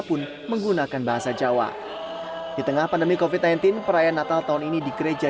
pun menggunakan bahasa jawa di tengah pandemi kofit sembilan belas perayaan natal tahun ini di gereja